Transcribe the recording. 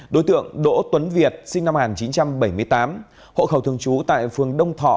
đối tượng đỗ tuấn việt sinh năm một nghìn chín trăm bảy mươi tám hộ khẩu thường trú tại phường đông thọ